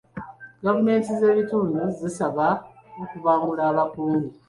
Gavumenti z'ebitundu zisaba okubangula abakungu.